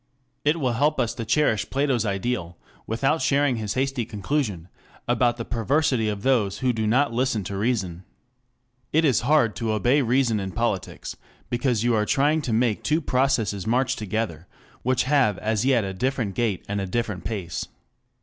It will help us to cherish Plato's ideal, without sharing his hasty conclusion about the perversity of those who do not listen to reason. It is hard to obey reason in politics, because you are trying to make two processes march together, which have as yet a different gait and a different pace.